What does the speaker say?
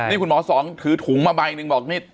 นี่คุณหมอสองถือถุงมาใบหนึ่งบอกนี่